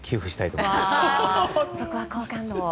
そこは好感度を。